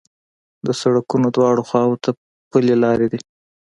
د سړکونو دواړو خواوو ته پلي لارې دي.